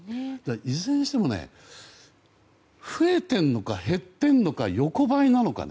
いずれにしても増えてるのか減ってるのか横這いなのか。